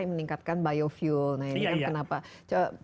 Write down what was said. yang meningkatkan biofuel